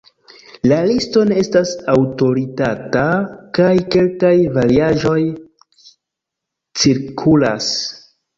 La listo ne estas aŭtoritata kaj kelkaj variaĵoj cirkulas.